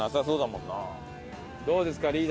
どうですか？